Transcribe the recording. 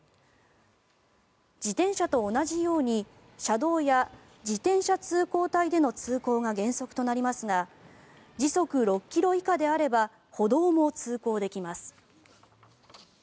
自転車と同じように車道や自転車通行帯での通行が原則となりますが時速６ｋｍ以下であれば歩道も通行できます。